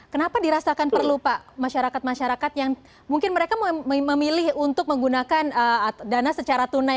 kenapa dirasakan perlu pak masyarakat masyarakat yang mungkin mereka memilih untuk menggunakan dana secara tunai